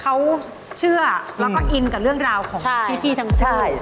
เขาเชื่อแล้วก็อินกับเรื่องราวของพี่ทั้งคู่